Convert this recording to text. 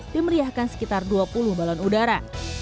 dimeriahkan sekitar dua puluh balon udara